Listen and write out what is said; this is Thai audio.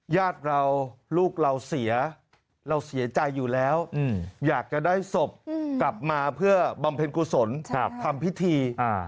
ญาติเราลูกเราเสียเราเสียใจอยู่แล้วอยากจะได้ศพกลับมาเพื่อบำเพ็ญกุศลทำพิธี